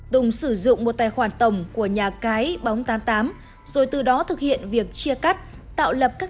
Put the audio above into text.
tùng sử dụng một tài khoản tổng của nhà cái bóng tám mươi tám rồi từ đó thực hiện việc chia cắt tạo lập các